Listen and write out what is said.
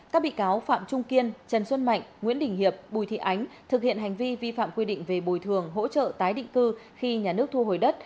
các bị cáo phạm trung kiên trần xuân mạnh nguyễn đình hiệp bùi thị ánh thực hiện hành vi vi phạm quy định về bồi thường hỗ trợ tái định cư khi nhà nước thu hồi đất